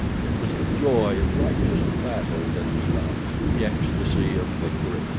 It was the joy of righteous battle that he loved—the ecstasy of victory.